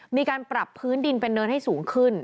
มีการปรับพื้นดินเป็นเนินให้สูงขึ้น